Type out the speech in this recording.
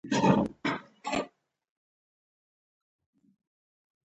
د پښتو ختیځه لهجه او لويديځه لهجه